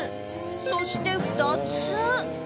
そして２つ。